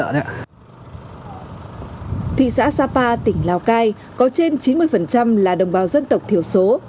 các địa bàn trên thị xã sapa tỉnh lào cai có trên chín mươi là đồng bào dân tộc thiểu số